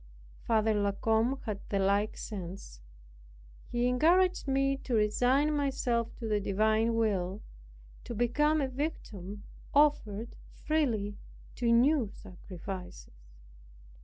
Father La Combe had the like sense. He encouraged me to resign myself to the divine will, and to become a victim offered freely to new sacrifices.